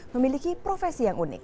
memiliki profesi yang unik